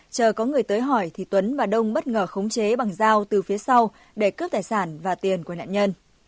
chờ có người tới hỏi thì tuấn và đông bất ngờ khống chế bằng dao từ phía sau để cướp tài sản và tiền của nạn nhân